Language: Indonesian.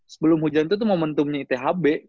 sebelum hujan itu tuh momentumnya ithb